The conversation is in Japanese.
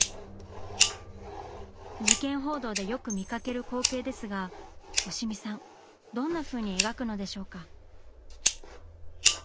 事件報道でよく見かける光景ですが押見さんどんなふうに描くのでしょうか？